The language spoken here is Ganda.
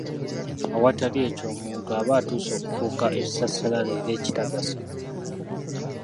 Awatali ekyo omuntu aba atuuse okufuuka ekisassalala era ekitagasa.